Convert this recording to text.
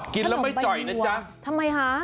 กินแล้วไม่ไหวนะทำไมคะ